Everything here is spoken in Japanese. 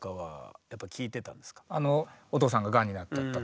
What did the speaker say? お父さんががんになっちゃったと。